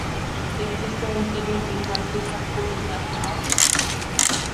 Există un termen pentru acest acord bilateral?